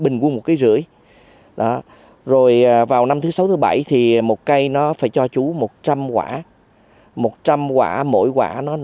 nó nằm một năm kg